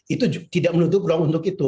itu tidak menutup ruang untuk itu